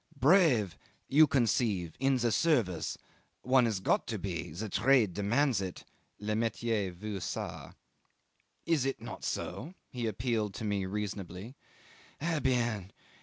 ... "Brave you conceive in the Service one has got to be the trade demands it (le metier veut ca). Is it not so?" he appealed to me reasonably. "Eh bien!